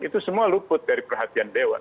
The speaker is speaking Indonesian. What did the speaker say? itu semua luput dari perhatian dewan